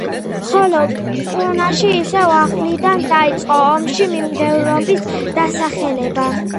ხოლო პუნაში ისევ ახლიდან დაიწყო ოშოს მიმდევრების დასახლება.